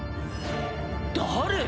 誰？